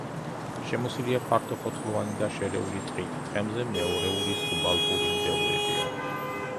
შემოსილია ფართოფოთლოვანი და შერეული ტყით, თხემზე მეორეული სუბალპური მდელოებია.